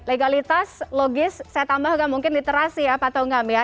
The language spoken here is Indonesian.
legalitas logis saya tambahkan mungkin literasi ya pak tongam ya